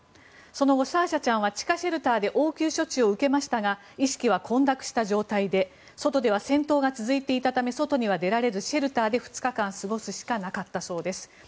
その後、サーシャちゃんは地下シェルターで応急処置を受けましたが意識は混濁した状態で外では戦闘が続いていたため、外には出られずシェルターで２日間過ごすしかなったそうです。